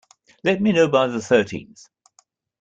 Let me know by the thirteenth.